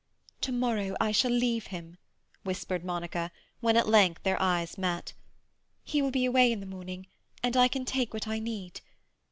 "To morrow I shall leave him," whispered Monica, when at length their eyes met. "He will be away in the morning, and I can take what I need.